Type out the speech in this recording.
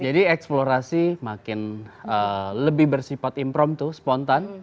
jadi eksplorasi makin lebih bersifat impromptu spontan